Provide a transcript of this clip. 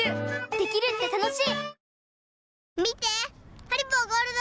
できるって楽しい！